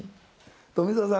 富澤さん